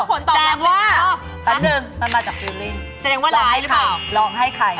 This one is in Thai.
ไปร้องให้ใครที่คืออะไรจริง